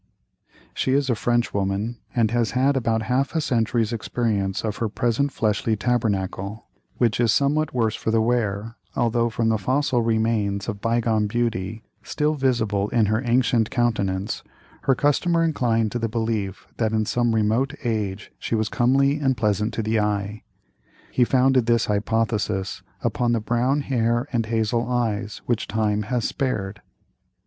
She is a Frenchwoman, and has had about half a century's experience of her present fleshly tabernacle, which is somewhat the worse for wear, although from the fossil remains of bygone beauty, still visible in her ancient countenance, her customer inclined to the belief that in some remote age she was comely and pleasant to the eye. He founded this hypothesis upon the brown hair and hazel eyes which time has spared.